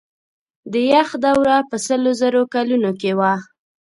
د یخ دوره په سلو زرو کلونو کې وه.